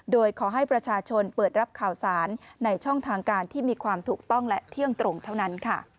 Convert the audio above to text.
โดยขอให้ประชาชนเปิดรับข่าวสารในช่องทางการที่มีความถูกต้องและเที่ยงตรงเท่านั้น